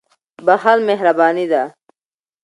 • بخښل مهرباني ده.